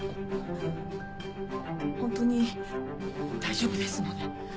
ホントに大丈夫ですので。